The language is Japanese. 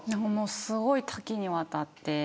すごく多岐にわたって。